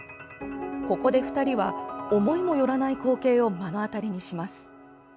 ここで２人は思いもよらない光景を目の当たりにします。